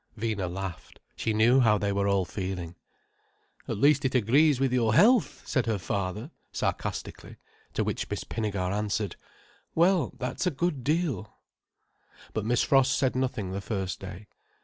Vina laughed. She knew how they were all feeling. "At least it agrees with your health," said her father, sarcastically, to which Miss Pinnegar answered: "Well, that's a good deal." But Miss Frost said nothing the first day.